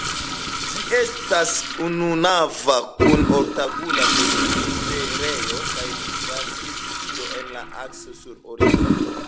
Ĝi estas ununava kun ortangula presbiterejo kaj sakristio en la akso sur orienta flanko.